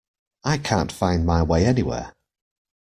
I can't find my way anywhere!